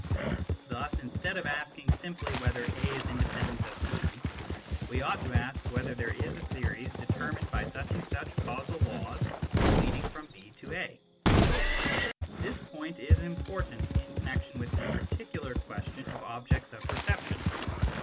Thus, instead of asking simply whether A is independent of B, we ought to ask whether there is a series determined by such and such causal laws leading from B to A. This point is important in connexion with the particular question of objects of perception.